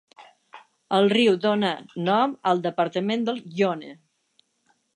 El riu dóna nom al departament del Yonne.